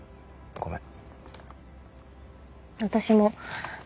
ごめん。